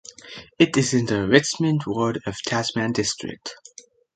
It is in the Richmond Ward of Tasman District.